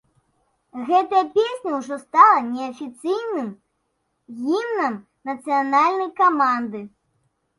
Гэтая песня ўжо стала неафіцыйным гімнам нацыянальнай каманды.